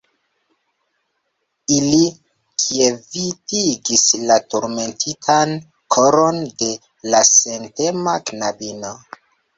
Ili kvietigis la turmentitan koron de la sentema knabino.